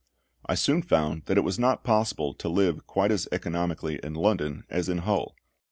I soon found that it was not possible to live quite as economically in London as in Hull.